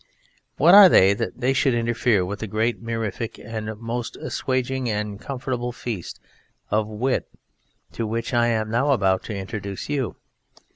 What are they that they should interfere with the great mirific and most assuaging and comfortable feast of wit to which I am now about to introduce you!